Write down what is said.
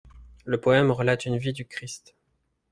Le poème relate une vie du Christ.